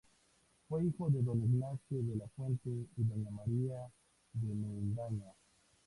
Fue hijo de don Ignacio de la Fuente y doña María de Mendaña.